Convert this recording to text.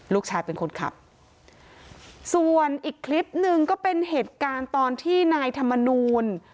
ลูกชายเป็นคนขับส่วนอีกคลิปหนึ่งก็เป็นเหตุการณ์ตอนที่นายธรรมนูล